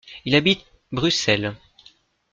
Il habite Bruxelles.